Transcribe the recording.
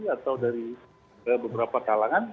atau dari beberapa kalangan